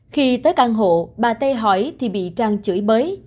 khi tới căn hộ bà t hỏi thì bị trang chửi bới